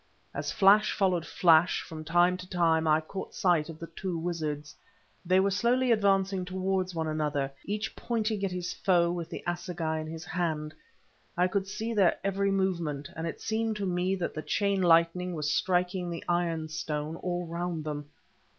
As flash followed flash, from time to time I caught sight of the two wizards. They were slowly advancing towards one another, each pointing at his foe with the assegai in his hand. I could see their every movement, and it seemed to me that the chain lightning was striking the iron stone all round them.